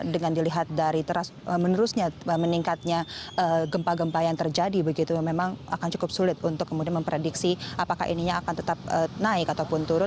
dengan dilihat dari terus menerusnya meningkatnya gempa gempa yang terjadi begitu memang akan cukup sulit untuk kemudian memprediksi apakah ininya akan tetap naik ataupun turun